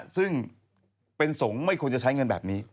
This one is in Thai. ซึ่งเป็นสงฆ์ไม่ควรจะใช้เงินแบบนี้